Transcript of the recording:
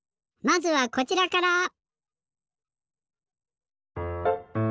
まずはこちらから。